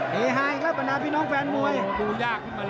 เน่หายแล้วหน้าพี่น้องแฟนมวย